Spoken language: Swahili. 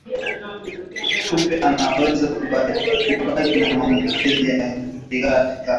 Kupe anaweza kubaki na maambukizi ya ndigana kali